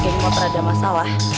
yang mau terada masalah